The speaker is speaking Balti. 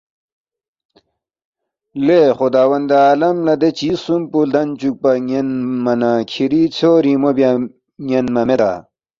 ”لے خُدا وندِ عالم لہ دے چیز خسُوم پو لدن٘ چُوکپا یَنما نہ کِھری ژھیو رِنگمو بیا یَنما میدا؟